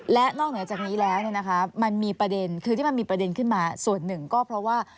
และนอกเหนือจากนี้แล้วมันมีประเด็นคือที่มันมีประเด็นขึ้นมาส่วนหนึ่งก็เพราะว่า